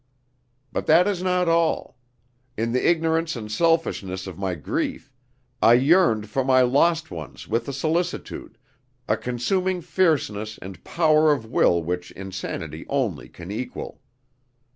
But that is not all; in the ignorance and selfishness of my grief, I yearned for my lost ones with a solicitude, a consuming fierceness and power of will which insanity only can equal.